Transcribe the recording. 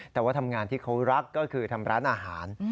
แต่ว่าทำงานที่เขารักก็คือทำร้านอาหาร